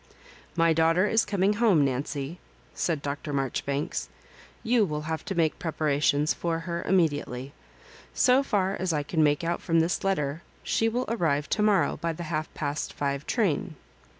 "Mt daughter is coming home, Kancy," said Dr. Marjoribanks. Yoa will have to make preparations for her immediately^ So far as I can make out from this letter, she will arrive to morrow by the half past five train."